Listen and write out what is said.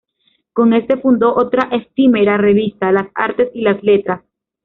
Con este fundó otra efímera revista, "Las Artes y las Letras".